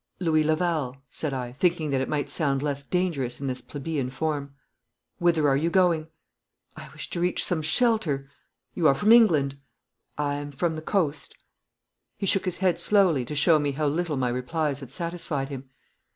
'Louis Laval,' said I, thinking that it might sound less dangerous in this plebeian form. 'Whither are you going?' 'I wish to reach some shelter.' 'You are from England?' 'I am from the coast.' He shook his head slowly to show me how little my replies had satisfied him.